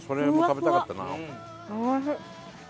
おいしい！